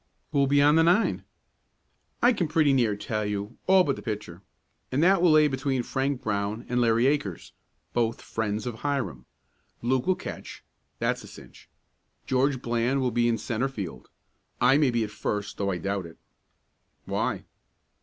"Who'll be on the nine?" "I can pretty near tell you, all but the pitcher. And that will lay between Frank Brown and Larry Akers both friends of Hiram. Luke will catch that's a cinch. George Bland will be in centre field. I may be at first, though I doubt it." "Why?"